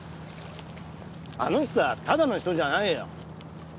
あの人はただの人じゃないよ。